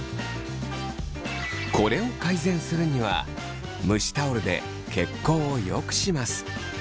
これを改善するには蒸しタオルで血行を良くします。